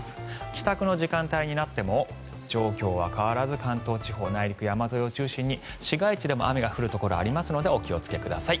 帰宅の時間帯になっても状況は変わらず関東地方内陸、山沿いを中心に市街地でも雨が降るところがありますのでお気をつけください。